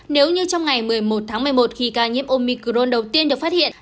nếu như trong ngày một mươi một tháng một mươi một khi ca nhiễm omicron đầu tiên được phát hiện